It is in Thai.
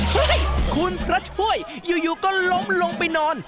เฮ้ยคุณพระช่วยอยู่ก็ล้มลงไปนอน